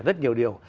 rất nhiều điều